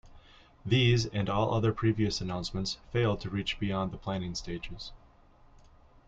These, and all other previous announcements, failed to reach beyond the planning stages.